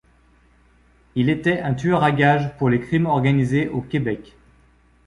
Il était un tueur à gages pour les crimes organisés au Québec.